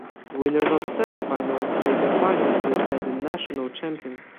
Winners of semifinals played the final to decide the national champion.